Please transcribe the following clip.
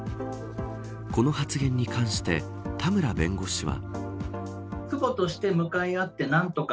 この発言に関して田村弁護士は。